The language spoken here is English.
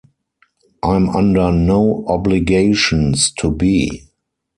I'm under no obligations to be.